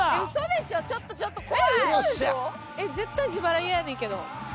絶対自腹嫌やねんけど。